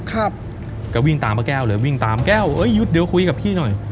ครับก็วิ่งตามป้าแก้วเลยวิ่งตามแก้วเอ้ยหยุดเดี๋ยวคุยกับพี่หน่อย